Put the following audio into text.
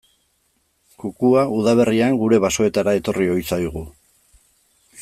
Kukua udaberrian gure basoetara etorri ohi zaigu.